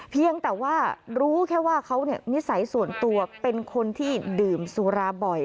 เพียงแต่ว่ารู้แค่ว่าเขานิสัยส่วนตัวเป็นคนที่ดื่มสุราบ่อย